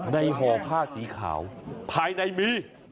ในห่อภาคสีขาวภายในมี